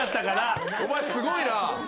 お前すごいな！